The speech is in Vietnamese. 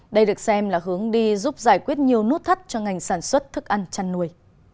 đây được xem là hướng đi giúp giải quyết nhiều nút thắt cho ngành sản xuất thức ăn chăn nuôi